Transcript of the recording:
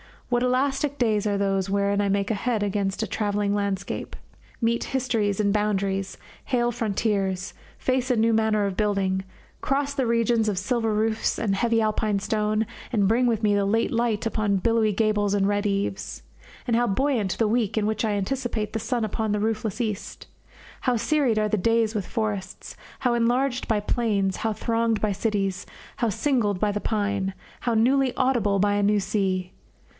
What elastic days are those wherein I make head against a travelling landscape, meet histories and boundaries, hail frontiers, face a new manner of building, cross the regions of silver roofs and of heavy Alpine stone, and bring with me the late light upon billowy gables and red eaves! And how buoyant the week in which I anticipate the sun upon the roofless east! How serried are the days with forests, how enlarged by plains, how thronged by cities, how singled by the pine, how newly audible by a new sea!